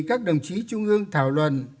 các đồng chí trung ương thảo luận